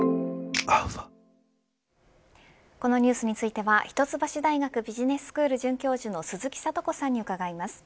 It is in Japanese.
このニュースについては一橋大学ビジネススクール准教授の鈴木智子さんに伺います。